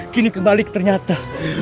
kini kembali ternyata